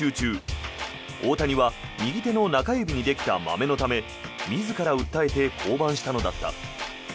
６回の投球練習中、大谷は右手の中指にできたまめのため自ら訴えて降板したのだった。